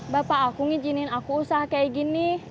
bapak aku ngijinin aku usaha kayak gini